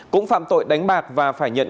cũng phạm tội đánh bạc và phải nhận